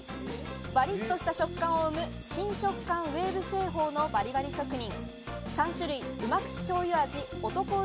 バリっとした食感を生む新食感ウエーブ製法のバリバリ職人。